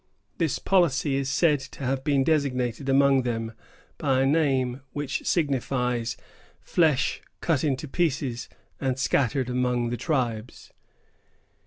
This policy is said to have been designated among them by a name which signifies "flesh cut into pieces and scattered among the tribes."